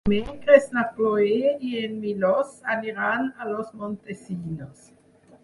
Dimecres na Cloè i en Milos aniran a Los Montesinos.